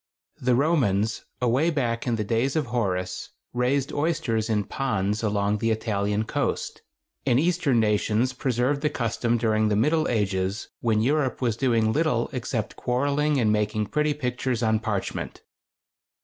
] The Romans, away back in the days of Horace, raised oysters in ponds along the Italian coast, and Eastern nations preserved the custom during the middle ages, when Europe was doing little except quarreling and making pretty pictures on parchment.